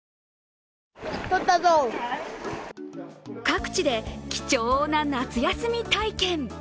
各地で貴重な夏休み体験。